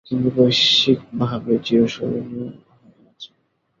তিনি বৈশ্বিকভাবে চিরস্মরণীয় হয়ে আছেন।